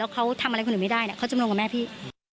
แล้วเขาทำอะไรคนอื่นไม่ได้เนี่ยเขาจะบรรลงกับแม่พี่